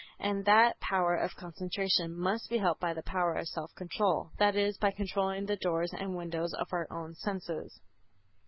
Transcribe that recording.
And that power of concentration must be helped by the power of self control. That is, by controlling the doors and windows of our own senses.